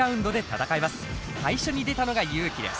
最初に出たのがＹＵ−ＫＩです。